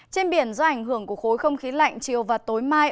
trên biển do ảnh hưởng của khối không khí lạnh chiều và tối mai